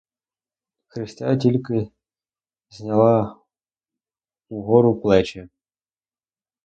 Христя тільки зняла угору плечі.